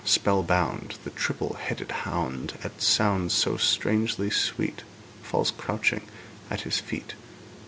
Spell bound, The triple headed hound At sounds so strangely sweet Falls crouching at his feet.